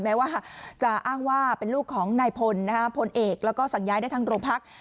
แม้ว่าจะอ้างว่าเป็นลูกของนายพลพลเอกแล้วก็สั่งย้ายได้ทั้งโรงพัก